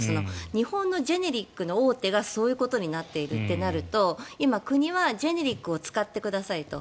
日本のジェネリックの大手がそういうことになってるってなると国はジェネリックを使ってくださいと。